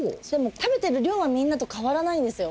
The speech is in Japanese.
食べてる量はみんなと変わらないんですよ